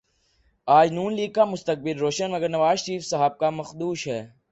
آج نون لیگ کا مستقبل روشن مگر نوازشریف صاحب کا مخدوش ہے